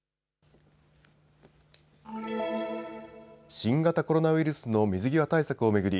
新型コロナウイルスの水際対策を巡り